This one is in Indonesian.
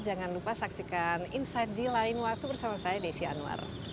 jangan lupa saksikan insight di lain waktu bersama saya desi anwar